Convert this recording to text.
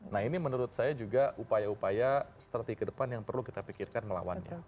nah ini menurut saya juga upaya upaya strategi ke depan yang perlu kita pikirkan melawannya